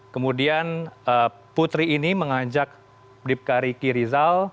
kemudian putri ini mengajak bribka riki rizal